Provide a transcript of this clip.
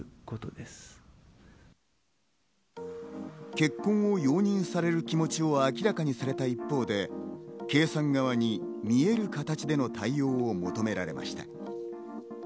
結婚を容認される気持ちを明らかにされた一方で、圭さん側に見える形での対応を求められました。